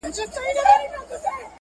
• غيرتي ډبرين زړونه -